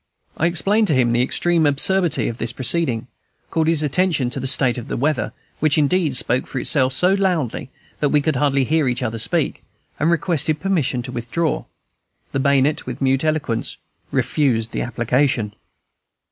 I explained to him the extreme absurdity of this proceeding, called his attention to the state of the weather, which, indeed, spoke for itself so loudly that we could hardly hear each other speak, and requested permission to withdraw. The bayonet, with mute eloquence, refused the application.